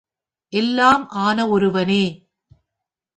எல்லாம் ஆன ஒருவனே!